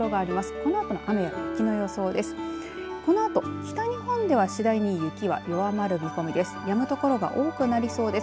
このあとの雨や雪の予想です。